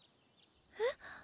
えっ？